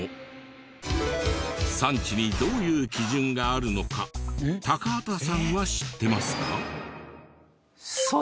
産地にどういう基準があるのか高畑さんは知ってますか？